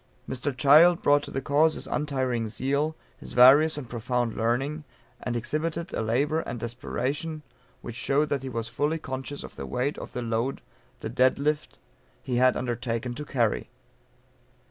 Mr. Child brought to the cause his untiring zeal, his various and profound learning; and exhibited a labour, and desperation which showed that he was fully conscious of the weight of the load the dead lift he had undertaken to carry.